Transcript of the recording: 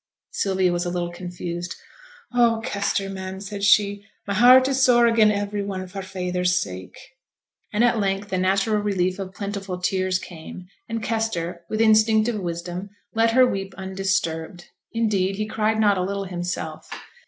Sylvia was a little confused. 'Oh, Kester, man,' said she, 'my heart is sore again' every one, for feyther's sake.' And at length the natural relief of plentiful tears came; and Kester, with instinctive wisdom, let her weep undisturbed; indeed, he cried not a little himself.